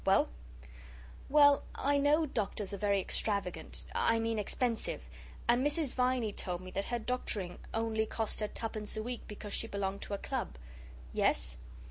"Well?" "Well, I know doctors are very extravagant I mean expensive, and Mrs. Viney told me that her doctoring only cost her twopence a week because she belonged to a Club." "Yes?"